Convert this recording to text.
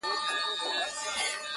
• بيا د تورو سترګو و بلا ته مخامخ يمه.